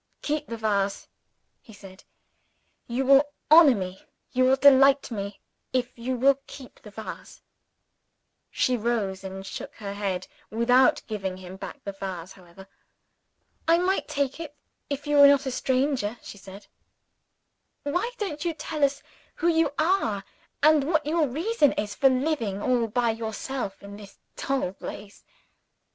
"Keep the vase!" he said. "You will honor me, you will delight me, if you will keep the vase." She rose and shook her head without giving him back the vase, however. "I might take it, if you were not a stranger," she said. "Why don't you tell us who you are, and what your reason is for living all by yourself in this dull place?"